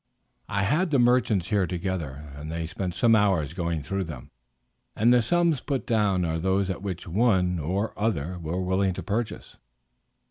I had the merchants here together, and they spent some hours going through them, and the sums put down are those at which one or other were willing to purchase."